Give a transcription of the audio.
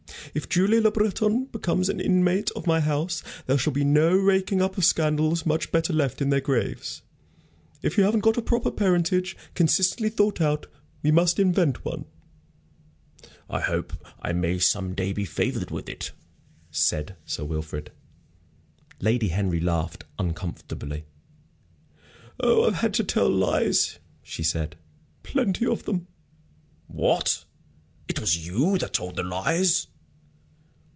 If Julie Le Breton becomes an inmate of my house, there shall be no raking up of scandals much better left in their graves. If you haven't got a proper parentage, consistently thought out, we must invent one '" "I hope I may some day be favored with it," said Sir Wilfrid. Lady Henry laughed uncomfortably. "Oh, I've had to tell lies," she said, "plenty of them." "What! It was you that told the lies?"